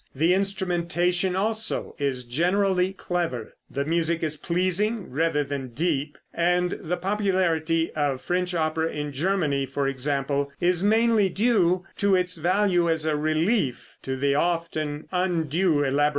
The instrumentation, also, is generally clever. The music is pleasing rather than deep, and the popularity of French opera in Germany, for example, is mainly due to its value as a relief to the often undue elaboration of the original German article.